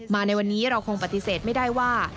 ในวันนี้เราคงปฏิเสธไม่ได้ว่า